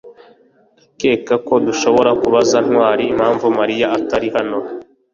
Ndakeka ko dushobora kubaza Ntwali impamvu Mariya atari hano